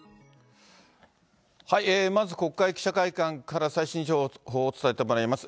まず、国会記者会館から最新情報を伝えてもらいます。